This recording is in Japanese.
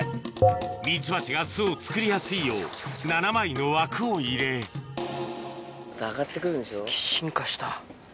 ミツバチが巣を作りやすいよう７枚の枠を入れデカっ。